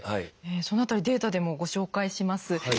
その辺りデータでもご紹介します。